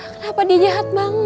kenapa dia jahat banget